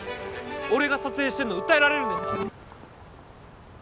俺が撮影してるの訴えられるんですか？